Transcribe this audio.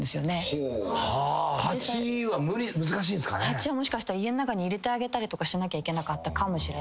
鉢はもしかしたら家ん中に入れてあげたりとかしなきゃいけなかったかもしれない。